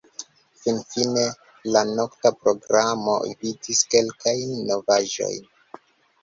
Finfine la nokta programo vidis kelkajn novaĵojn.